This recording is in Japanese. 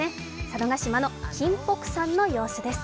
佐渡島の金北山の様子です。